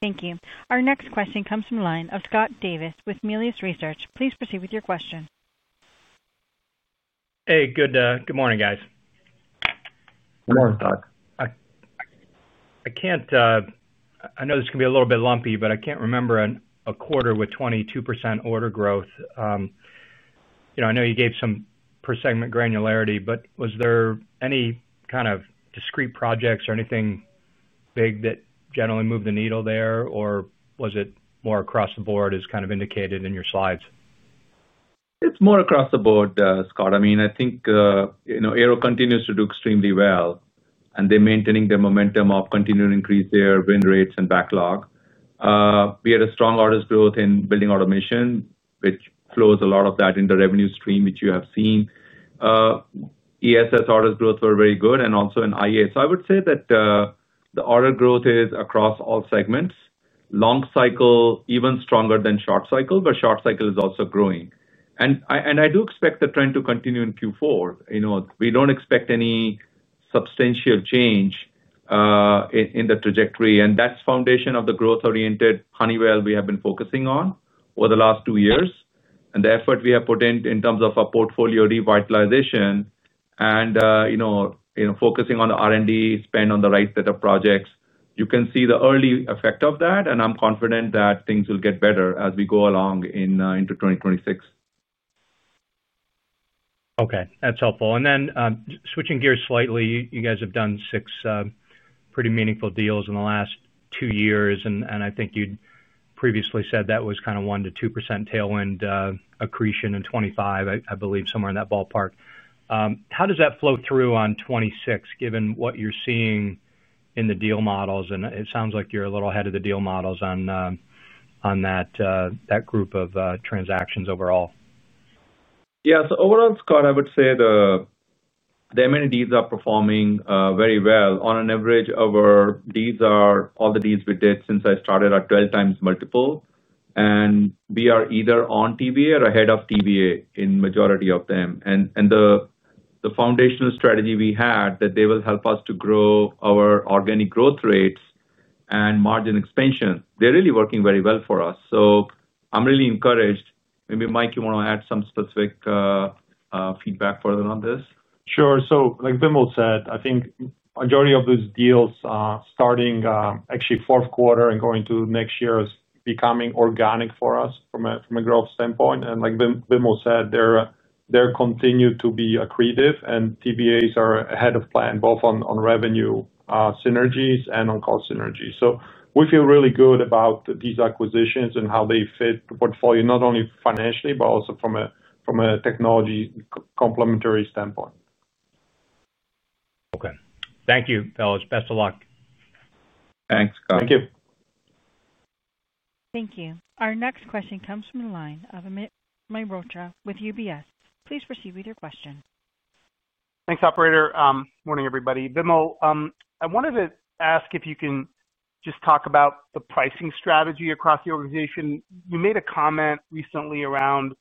Thank you. Our next question comes from the line of Scott Davis with Melius Research. Please proceed with your question. Hey, good morning, guys. Good morning, Scott. I know this can be a little bit lumpy, but I can't remember a quarter with 22% order growth. I know you gave some per segment granularity, but was there any kind of discrete projects or anything big that generally moved the needle there, or was it more across the board as kind of indicated in your slides? It's more across the board, Scott. I mean, I think Aero continues to do extremely well, and they're maintaining their momentum of continuing to increase their win rates and backlog. We had a strong orders growth in building automation, which flows a lot of that into revenue stream, which you have seen. ESS orders growth were very good and also in IA. I would say that the order growth is across all segments. Long cycle even stronger than short cycle, but short cycle is also growing. I do expect the trend to continue in Q4. We don't expect any substantial change in the trajectory, and that's the foundation of the growth-oriented Honeywell we have been focusing on over the last two years and the effort we have put in in terms of our portfolio revitalization and focusing on the R&D spend on the right set of projects. You can see the early effect of that, and I'm confident that things will get better as we go along into 2026. Okay. That's helpful. Switching gears slightly, you guys have done six pretty meaningful deals in the last two years, and I think you'd previously said that was kind of 1%-2% tailwind accretion in 2025, I believe, somewhere in that ballpark. How does that flow through on 2026, given what you're seeing in the deal models? It sounds like you're a little ahead of the deal models on that group of transactions overall. Yeah. Overall, Scott, I would say the MNDs are performing very well. On average, our Ds, all the Ds we did since I started, are 12x multiple, and we are either on TVA or ahead of TVA in the majority of them. The foundational strategy we had, that they will help us to grow our organic growth rates and margin expansion, they're really working very well for us. I'm really encouraged. Maybe Mike, you want to add some specific feedback further on this? Sure. Like Vimal said, I think the majority of those deals starting actually fourth quarter and going to next year is becoming organic for us from a growth standpoint. Like Vimal said, they continue to be accretive, and TVAs are ahead of plan both on revenue synergies and on cost synergies. We feel really good about these acquisitions and how they fit the portfolio, not only financially, but also from a technology complementary standpoint. Okay. Thank you, fellas. Best of luck. Thanks, Scott. Thank you. Thank you. Our next question comes from the line of Amit Mehrotra with UBS. Please proceed with your question. Thanks, operator. Morning, everybody. Vimal, I wanted to ask if you can just talk about the pricing strategy across the organization. You made a comment recently around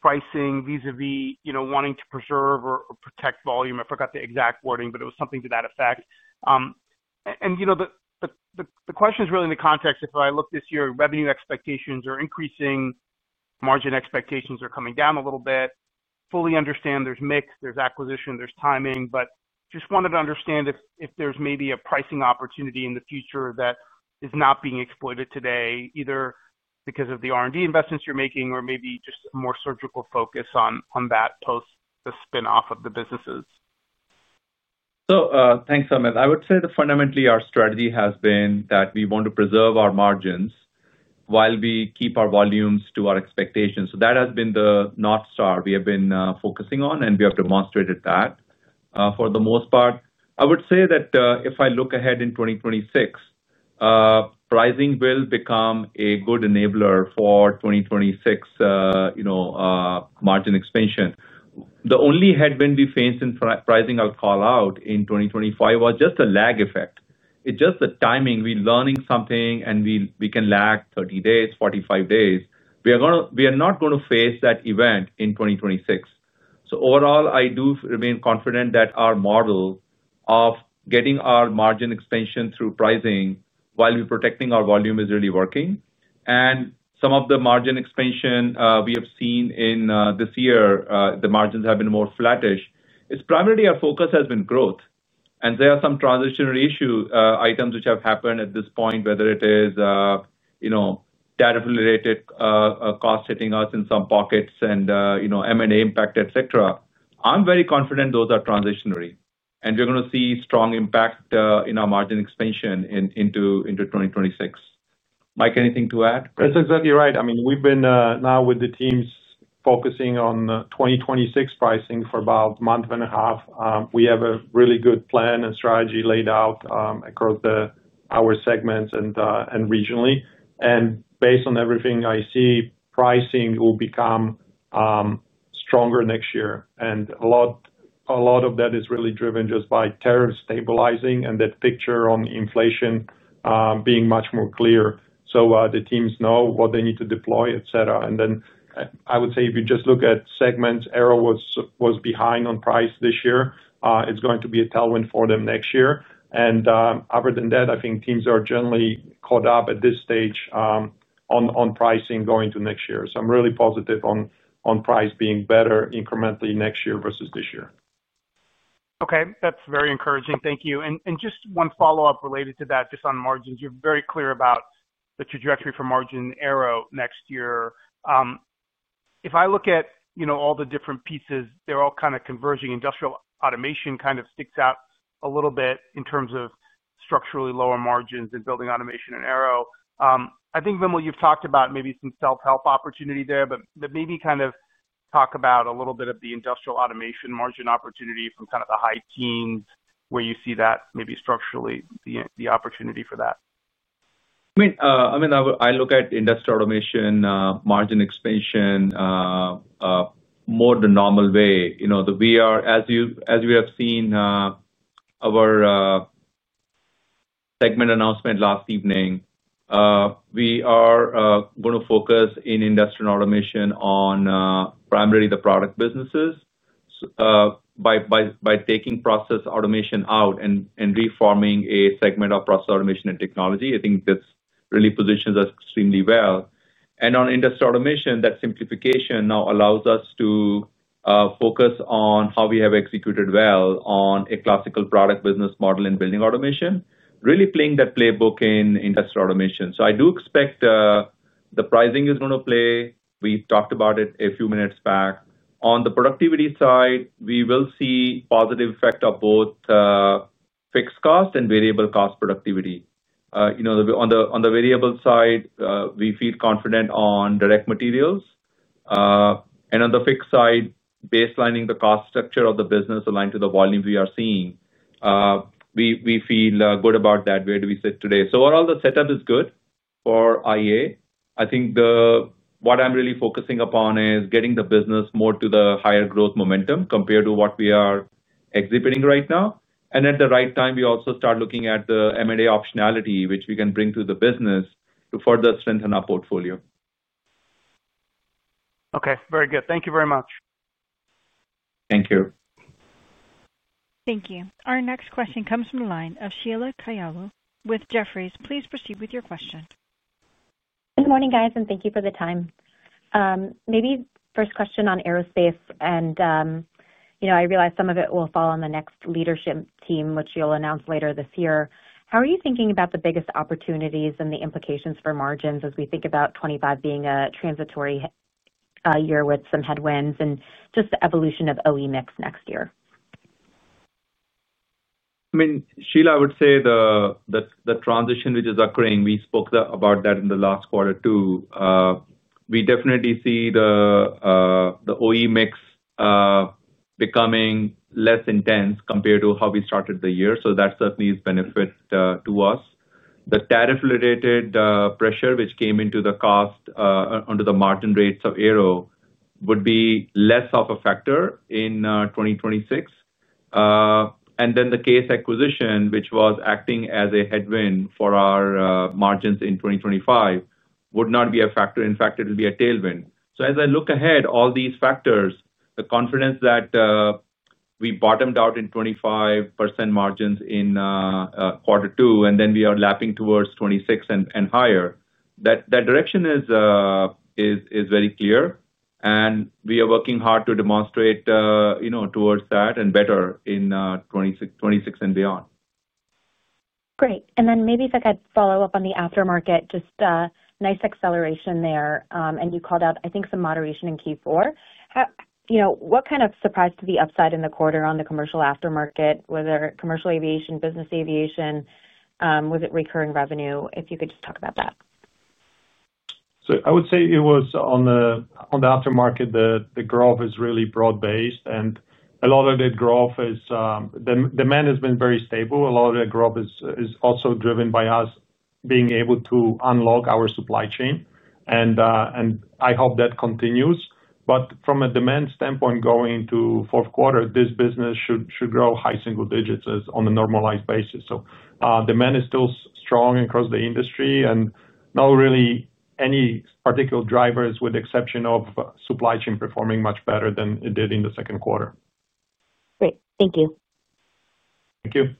pricing vis-à-vis wanting to preserve or protect volume. I forgot the exact wording, but it was something to that effect. The question is really in the context. If I look this year, revenue expectations are increasing, margin expectations are coming down a little bit. Fully understand there's mix, there's acquisition, there's timing, but just wanted to understand if there's maybe a pricing opportunity in the future that is not being exploited today, either because of the R&D investments you're making or maybe just a more surgical focus on that post the spin-off of the businesses. Thank you, Amit. I would say that fundamentally our strategy has been that we want to preserve our margins while we keep our volumes to our expectations. That has been the North Star we have been focusing on, and we have demonstrated that for the most part. I would say that if I look ahead in 2026, pricing will become a good enabler for 2026 margin expansion. The only headwind we faced in pricing I'll call out in 2025 was just a lag effect. It's just the timing. We're learning something, and we can lag 30 days, 45 days. We are not going to face that event in 2026. Overall, I do remain confident that our model of getting our margin expansion through pricing while we're protecting our volume is really working. Some of the margin expansion we have seen in this year, the margins have been more flattish. It's primarily our focus has been growth, and there are some transitional issue items which have happened at this point, whether it is data-related costs hitting us in some pockets and M&A impact, etc. I'm very confident those are transitionary, and we're going to see strong impact in our margin expansion into 2026. Mike, anything to add? That's exactly right. We've been now with the teams focusing on 2026 pricing for about a month and a half. We have a really good plan and strategy laid out across our segments and regionally. Based on everything I see, pricing will become stronger next year. A lot of that is really driven just by tariffs stabilizing and that picture on inflation being much more clear so the teams know what they need to deploy, etc. If you just look at segments, Aero was behind on price this year. It's going to be a tailwind for them next year. Other than that, I think teams are generally caught up at this stage on pricing going to next year. I'm really positive on price being better incrementally next year versus this year. Okay. That's very encouraging. Thank you. Just one follow-up related to that, just on margins, you're very clear about the trajectory for margin in Aero next year. If I look at all the different pieces, they're all kind of converging. Industrial Automation kind of sticks out a little bit in terms of structurally lower margins and building automation in Aero. I think, Vimal, you've talked about maybe some self-help opportunity there, but maybe kind of talk about a little bit of the Industrial Automation margin opportunity from kind of the high teens where you see that maybe structurally the opportunity for that. I mean, I look at Industrial Automation margin expansion more the normal way. As we have seen our segment announcement last evening, we are going to focus in Industrial Automation on primarily the product businesses by taking process automation out and reforming a segment of process automation and technology. I think this really positions us extremely well. On Industrial Automation, that simplification now allows us to focus on how we have executed well on a classical product business model in building automation, really playing that playbook in Industrial Automation. I do expect the pricing is going to play. We talked about it a few minutes back. On the productivity side, we will see positive effect of both fixed cost and variable cost productivity. On the variable side, we feel confident on direct materials. On the fixed side, baselining the cost structure of the business aligned to the volume we are seeing. We feel good about that where do we sit today. Overall, the setup is good for IA. What I'm really focusing upon is getting the business more to the higher growth momentum compared to what we are exhibiting right now. At the right time, we also start looking at the M&A optionality, which we can bring to the business to further strengthen our portfolio. Okay, very good. Thank you very much. Thank you. Thank you. Our next question comes from the line of Sheila Kahyaoglu with Jefferies. Please proceed with your question. Good morning, guys, and thank you for the time. Maybe first question on Aerospace, and I realize some of it will fall on the next leadership team, which you'll announce later this year. How are you thinking about the biggest opportunities and the implications for margins as we think about 2025 being a transitory year with some headwinds and just the evolution of OE mix next year? I mean, Sheila, I would say that the transition which is occurring, we spoke about that in the last quarter too. We definitely see the OE mix becoming less intense compared to how we started the year. That certainly is a benefit to us. The tariff-related pressure which came into the cost onto the margin rates of Aero would be less of a factor in 2026. The case acquisition, which was acting as a headwind for our margins in 2025, would not be a factor. In fact, it will be a tailwind. As I look ahead, all these factors, the confidence that we bottomed out in 25% margins in quarter two, and then we are lapping towards 2026 and higher, that direction is very clear. We are working hard to demonstrate towards that and better in 2026 and beyond. Great. Maybe if I could follow up on the aftermarket, just a nice acceleration there. You called out, I think, some moderation in Q4. What kind of surprised the upside in the quarter on the commercial aftermarket? Were there commercial aviation, business aviation? Was it recurring revenue? If you could just talk about that. I would say on the aftermarket, the growth is really broad-based, and a lot of that growth is the demand has been very stable. A lot of that growth is also driven by us being able to unlock our supply chain, and I hope that continues. From a demand standpoint, going into the fourth quarter, this business should grow high single digits on a normalized basis. Demand is still strong across the industry, and not really any particular drivers with the exception of supply chain performing much better than it did in the second quarter. Great. Thank you. Thank you.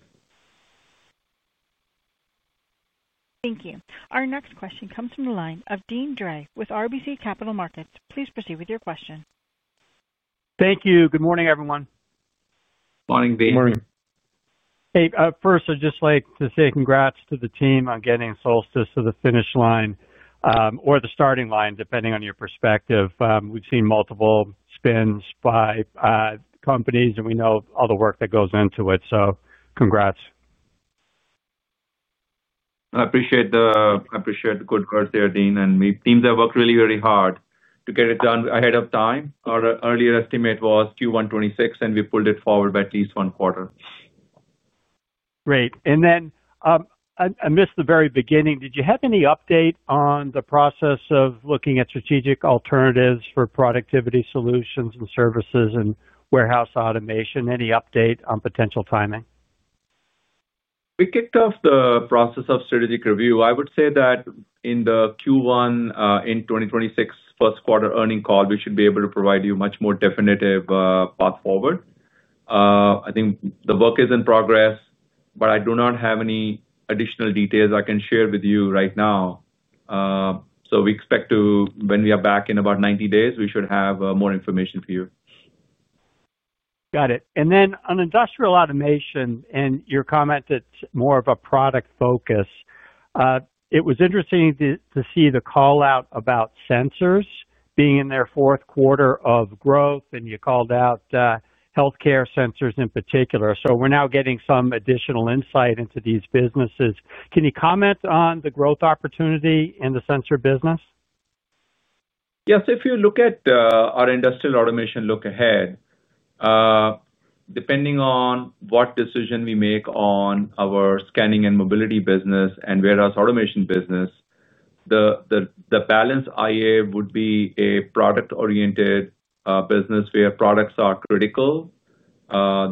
Thank you. Our next question comes from the line of Deane Drey with RBC Capital Markets. Please proceed with your question. Thank you. Good morning, everyone. Morning, Dean. Morning. First, I'd just like to say congrats to the team on getting Solstice to the finish line or the starting line, depending on your perspective. We've seen multiple spins by companies, and we know all the work that goes into it. Congrats. I appreciate the good words there, Deane. Teams worked really, really hard to get it done ahead of time. Our earlier estimate was Q1 2026, and we pulled it forward by at least one quarter. Great. I missed the very beginning. Did you have any update on the process of looking at strategic alternatives for productivity solutions and services and warehouse automation? Any update on potential timing? We kicked off the process of strategic review. I would say that in the Q1 2026 first quarter earnings call, we should be able to provide you a much more definitive path forward. I think the work is in progress, but I do not have any additional details I can share with you right now. We expect when we are back in about 90 days, we should have more information for you. Got it. On Industrial Automation and your comment that's more of a product focus, it was interesting to see the call out about sensors being in their fourth quarter of growth, and you called out healthcare sensors in particular. We're now getting some additional insight into these businesses. Can you comment on the growth opportunity in the sensor business? Yes. If you look at our Industrial Automation look ahead, depending on what decision we make on our scanning and mobility business and whereas automation business, the balance IA would be a product-oriented business where products are critical.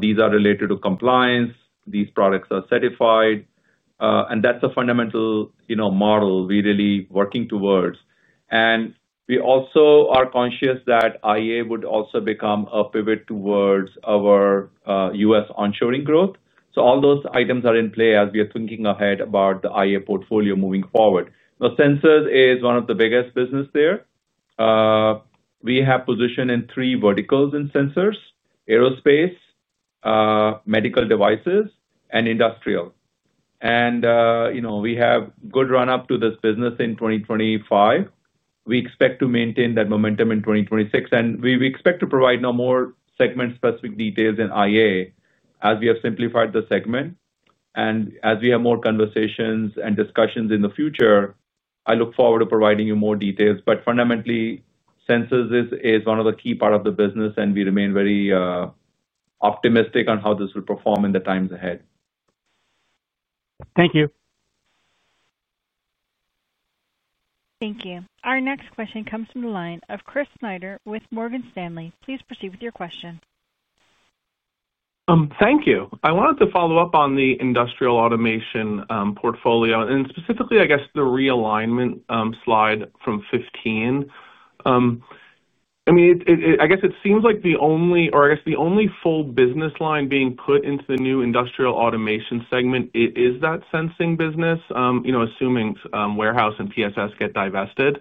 These are related to compliance. These products are certified, and that's a fundamental model we're really working towards. We also are conscious that IA would also become a pivot towards our U.S. onshoring growth. All those items are in play as we are thinking ahead about the IA portfolio moving forward. Sensors is one of the biggest businesses there. We have positioned in three verticals in sensors: aerospace, medical devices, and industrial. We have a good run-up to this business in 2025. We expect to maintain that momentum in 2026, and we expect to provide now more segment-specific details in IA as we have simplified the segment. As we have more conversations and discussions in the future, I look forward to providing you more details. Fundamentally, sensors is one of the key parts of the business, and we remain very optimistic on how this will perform in the times ahead. Thank you. Thank you. Our next question comes from the line of Chris Snyder with Morgan Stanley. Please proceed with your question. Thank you. I wanted to follow up on the Industrial Automation portfolio and specifically, I guess, the realignment slide from 2015. It seems like the only, or I guess, the only full business line being put into the new Industrial Automation segment is that sensing business, assuming warehouse and PSS get divested.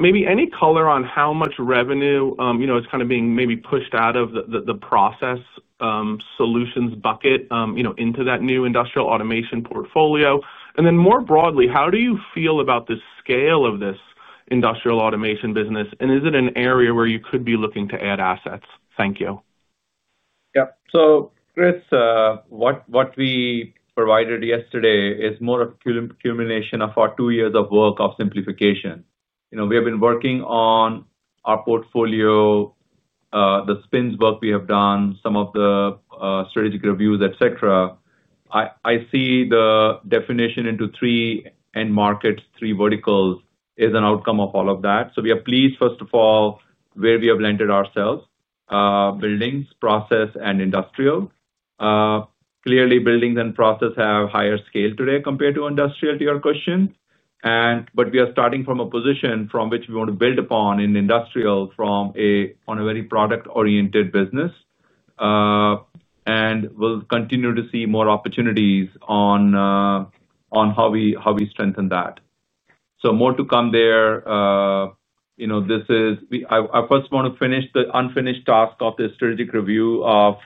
Maybe any color on how much revenue is being pushed out of the process solutions bucket into that new Industrial Automation portfolio. More broadly, how do you feel about the scale of this Industrial Automation business, and is it an area where you could be looking to add assets? Thank you. Yeah. What we provided yesterday is more of a culmination of our two years of work of simplification. We have been working on our portfolio, the spins work we have done, some of the strategic reviews, etc. I see the definition into three end markets, three verticals, as an outcome of all of that. We are pleased, first of all, where we have landed ourselves: buildings, process, and industrial. Clearly, buildings and process have higher scale today compared to industrial, to your question. We are starting from a position from which we want to build upon in industrial from a very product-oriented business, and we'll continue to see more opportunities on how we strengthen that. More to come there. I first want to finish the unfinished task of the strategic review of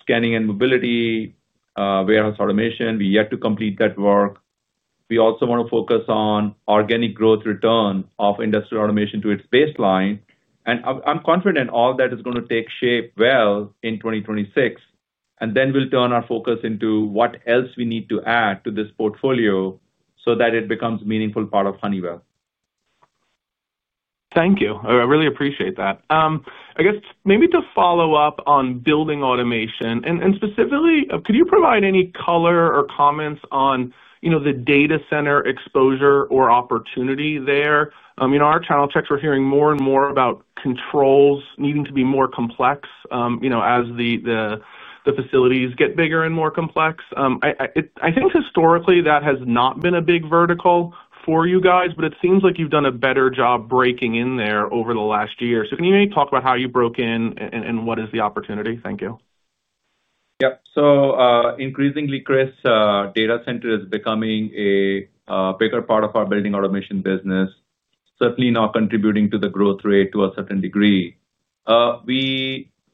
scanning and mobility warehouse automation. We're yet to complete that work. We also want to focus on organic growth return of Industrial Automation to its baseline. I'm confident all that is going to take shape well in 2026. Then we'll turn our focus into what else we need to add to this portfolio so that it becomes a meaningful part of Honeywell. Thank you. I really appreciate that. I guess maybe to follow up on building automation, and specifically, could you provide any color or comments on the data center exposure or opportunity there? In our channel checks, we're hearing more and more about controls needing to be more complex as the facilities get bigger and more complex. I think historically, that has not been a big vertical for you guys, but it seems like you've done a better job breaking in there over the last year. Can you maybe talk about how you broke in and what is the opportunity? Thank you. Yeah. Increasingly, Chris, data center is becoming a bigger part of our building automation business, certainly now contributing to the growth rate to a certain degree.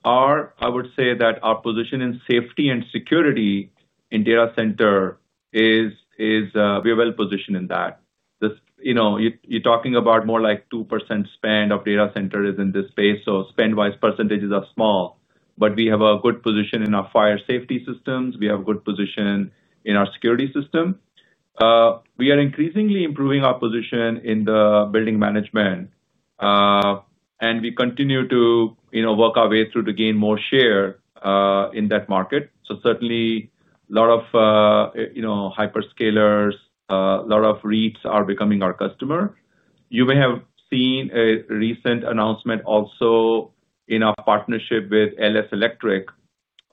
I would say that our position in safety and security in data center is we're well positioned in that. You're talking about more like 2% spend of data centers in this space. Spend-wise, percentages are small, but we have a good position in our fire safety systems. We have a good position in our security system. We are increasingly improving our position in the building management, and we continue to work our way through to gain more share in that market. Certainly, a lot of hyperscalers, a lot of REITs are becoming our customer. You may have seen a recent announcement also in our partnership with LS ELECTRIC,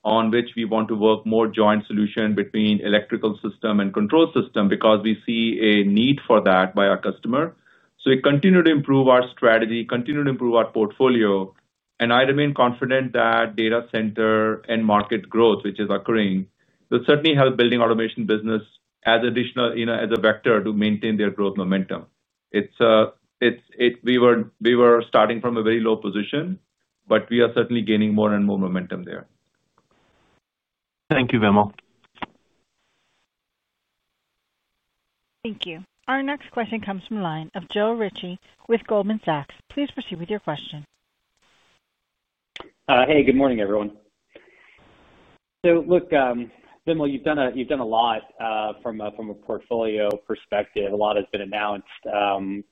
on which we want to work more joint solution between electrical system and control system because we see a need for that by our customer. We continue to improve our strategy, continue to improve our portfolio, and I remain confident that data center and market growth, which is occurring, will certainly help the building automation business as additional as a vector to maintain their growth momentum. We were starting from a very low position, but we are certainly gaining more and more momentum there. Thank you, Vimal. Thank you. Our next question comes from the line of Joe Ritchie with Goldman Sachs. Please proceed with your question. Good morning, everyone. Vimal, you've done a lot from a portfolio perspective. A lot has been announced.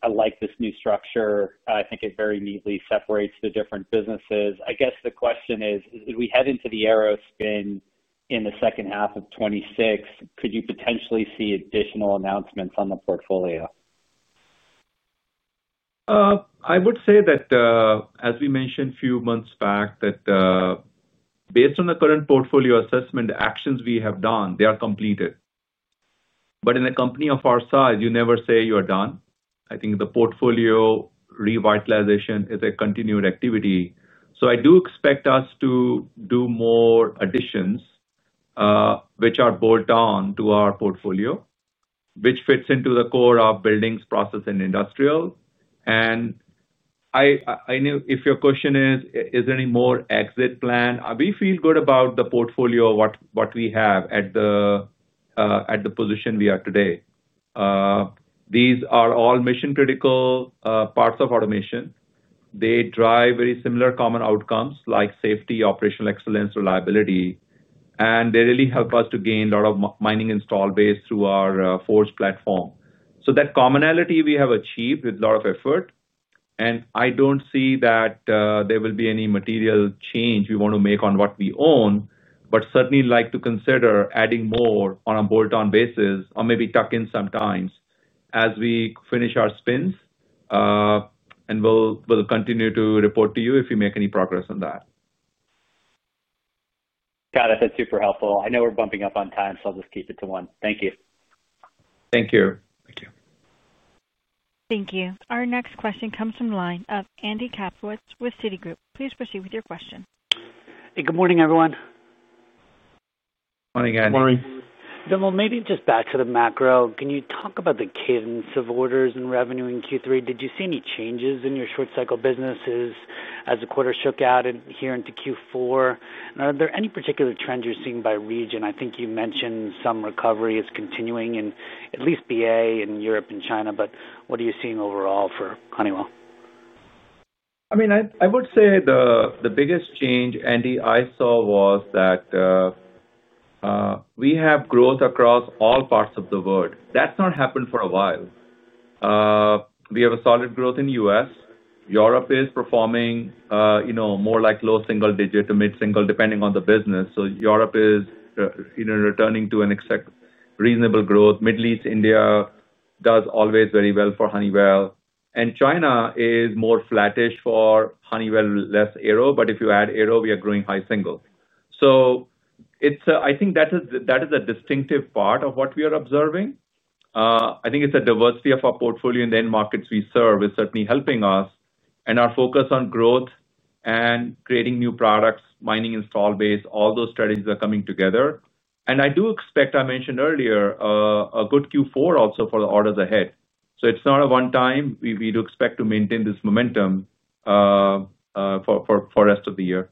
I like this new structure. I think it very neatly separates the different businesses. I guess the question is, as we head into the aero spin in the second half of 2026, could you potentially see additional announcements on the portfolio? I would say that, as we mentioned a few months back, based on the current portfolio assessment, the actions we have done are completed. In a company of our size, you never say you are done. I think the portfolio revitalization is a continued activity. I do expect us to do more additions, which are bolt-on to our portfolio, which fits into the core of buildings, process, and industrial. If your question is, is there any more exit plan, we feel good about the portfolio of what we have at the position we are today. These are all mission-critical parts of automation. They drive very similar common outcomes like safety, operational excellence, reliability, and they really help us to gain a lot of mining and install base through our Forge platform. That commonality we have achieved with a lot of effort, and I don't see that there will be any material change we want to make on what we own, but certainly like to consider adding more on a bolt-on basis or maybe tuck in sometimes as we finish our spins, and we'll continue to report to you if we make any progress on that. Got it. That's super helpful. I know we're bumping up on time, so I'll just keep it to one. Thank you. Thank you. Thank you. Thank you. Our next question comes from the line of Andy Kaplowitz with Citi. Please proceed with your question. Hey, good morning, everyone. Morning, guys. Morning. Vimal, maybe just back to the macro, can you talk about the cadence of orders and revenue in Q3? Did you see any changes in your short-cycle businesses as the quarter shook out here into Q4? Are there any particular trends you're seeing by region? I think you mentioned some recovery is continuing in at least B.A. and Europe and China, but what are you seeing overall for Honeywell? I mean, I would say the biggest change, Andy, I saw was that we have growth across all parts of the world. That's not happened for a while. We have solid growth in the U.S. Europe is performing more like low single digit to mid-single, depending on the business. Europe is returning to a reasonable growth. Middle East, India does always very well for Honeywell. China is more flattish for Honeywell, less Aero, but if you add Aero, we are growing high single. I think that is a distinctive part of what we are observing. I think the diversity of our portfolio in the end markets we serve is certainly helping us. Our focus on growth and creating new products, mining and stall base, all those strategies are coming together. I do expect, I mentioned earlier, a good Q4 also for the orders ahead. It's not a one-time. We do expect to maintain this momentum for the rest of the year.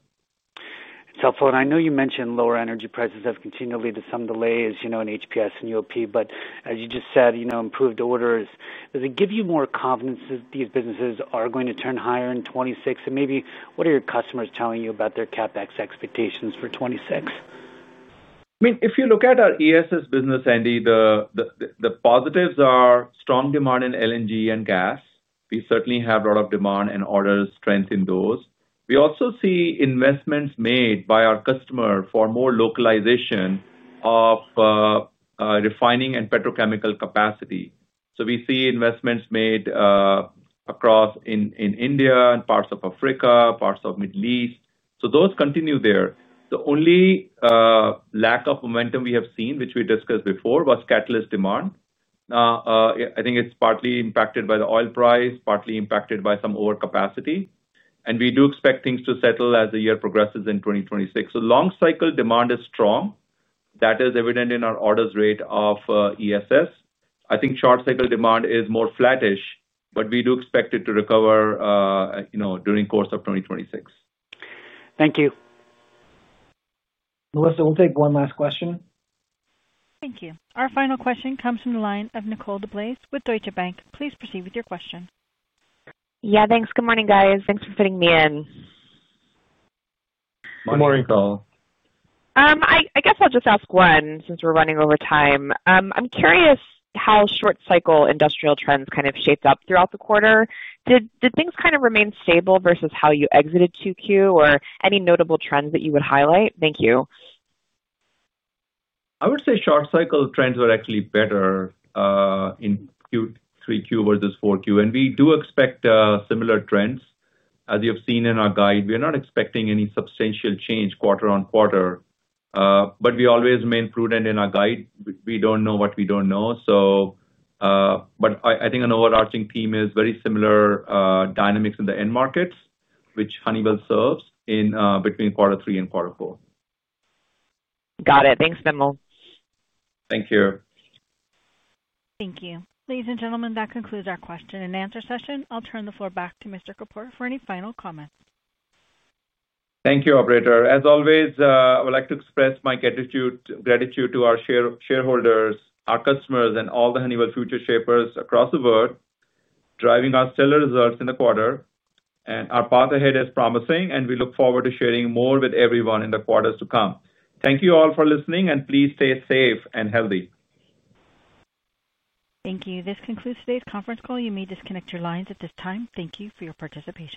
I know you mentioned lower energy prices have continued to lead to some delays in HPS and UOP, but as you just said, improved orders. Does it give you more confidence that these businesses are going to turn higher in 2026? Maybe what are your customers telling you about their CapEx expectations for 2026? I mean, if you look at our ESS business, Andy, the positives are strong demand in LNG and gas. We certainly have a lot of demand and orders strengthened in those. We also see investments made by our customer for more localization of refining and petrochemical capacity. We see investments made across India and parts of Africa, parts of the Middle East. Those continue there. The only lack of momentum we have seen, which we discussed before, was catalyst demand. I think it's partly impacted by the oil price, partly impacted by some overcapacity. We do expect things to settle as the year progresses in 2026. Long-cycle demand is strong. That is evident in our orders rate of ESS. I think short-cycle demand is more flattish, but we do expect it to recover during the course of 2026. Thank you. Melissa, we'll take one last question. Thank you. Our final question comes from the line of Nicole DeBlaise with Deutsche Bank. Please proceed with your question. Yeah, thanks. Good morning, guys. Thanks for fitting me in. Morning, Nicole. I guess I'll just ask one since we're running over time. I'm curious how short-cycle industrial trends kind of shaped up throughout the quarter. Did things kind of remain stable versus how you exited 2Q, or any notable trends that you would highlight? Thank you. I would say short-cycle trends were actually better in Q3 versus Q4, and we do expect similar trends as you have seen in our guide. We are not expecting any substantial change quarter on quarter, but we always remain prudent in our guide. We don't know what we don't know. I think an overarching theme is very similar dynamics in the end markets, which Honeywell serves between quarter three and quarter four. Got it. Thanks, Vimal. Thank you. Thank you. Please, ladies and gentlemen, that concludes our question and answer session. I'll turn the floor back to Mr. Kapur for any final comments. Thank you, operator. As always, I would like to express my gratitude to our shareholders, our customers, and all the Honeywell future shapers across the world, driving our stellar results in the quarter. Our path ahead is promising, and we look forward to sharing more with everyone in the quarters to come. Thank you all for listening, and please stay safe and healthy. Thank you. This concludes today's conference call. You may disconnect your lines at this time. Thank you for your participation.